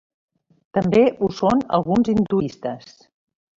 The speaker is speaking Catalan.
També ho són alguns hinduistes.